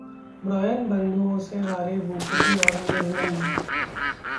Breon बंधुओं से हारे भूपति और मिर्नयी